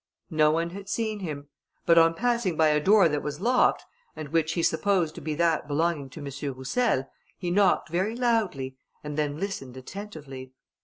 No one had seen him; but on passing by a door that was locked, and which he supposed to be that belonging to M. Roussel, he knocked very loudly, and then listened attentively.